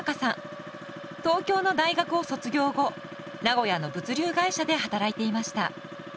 東京の大学を卒業後名古屋の物流会社で働いていました。